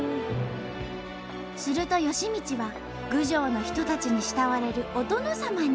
すると幸道は郡上の人たちに慕われるお殿様に。